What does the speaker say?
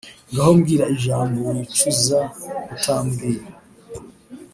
ngaho mbwira ijambo wicuza kutambwira